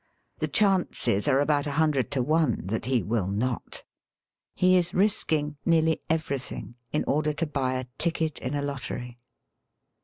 The chances are about a hun dreid to one that he will not. He is risking nearly everything in order to buy a ticket in a lottery.